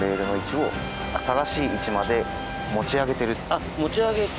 あっ持ち上げて。